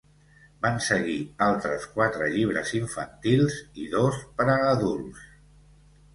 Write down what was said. Van seguir altres quatre llibres infantils i dos per a adults.